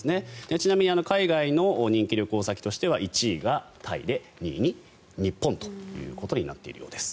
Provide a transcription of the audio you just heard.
ちなみに海外の人気旅行先としては１位がタイで２位に日本ということになっているようです。